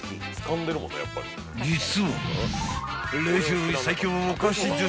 ［実は］